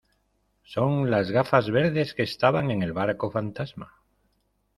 son las gafas verdes que estaban en el barco fantasma.